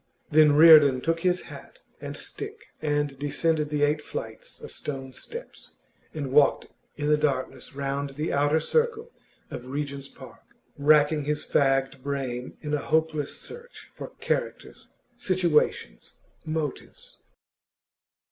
Then Reardon took his hat and stick and descended the eight flights of stone steps, and walked in the darkness round the outer circle of Regent's Park, racking his fagged brain in a hopeless search for characters, situations, motives.